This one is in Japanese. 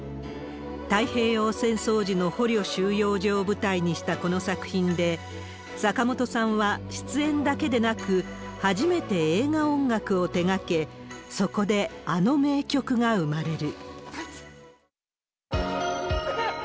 太平洋戦争時の捕虜収容所を舞台にしたこの作品で、坂本さんは出演だけでなく、初めて映画音楽を手がけ、そこであの名曲が生まれる。